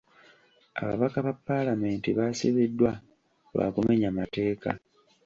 Ababaka ba paalamenti baasibiddwa lwa kumenya mateeka.